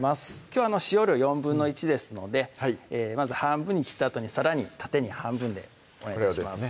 きょう使用量１／４ですのでまず半分に切ったあとにさらに縦に半分でお願い致します